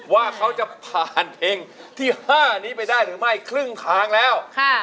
ว่าเขาจะผ่านเพลงที่๕นี้ไปได้หรือไม่ครึ่งทางแล้ว